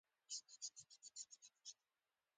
په شپږو میاشتو کې یې ټوله سیمه ونیوله.